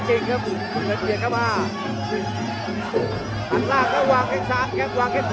โอ้โหดีครับมาเลยครับกุธเงิน